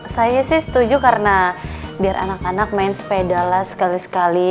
saya sih setuju karena biar anak anak main sepeda lah sekali sekali